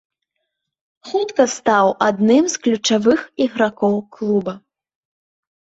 Хутка стаў адным з ключавых ігракоў клуба.